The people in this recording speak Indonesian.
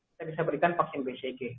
kita bisa berikan vaksin bcg